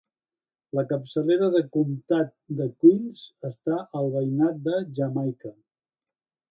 La capçalera de comtat de Queens està al veïnat de Jamaica.